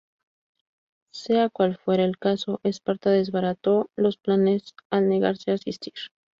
Sea cual fuera el caso, Esparta desbarató los planes al negarse a asistir.